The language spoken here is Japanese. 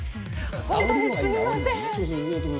本当にすみません。